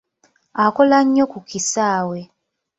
Akola nnyo ku kisaawe.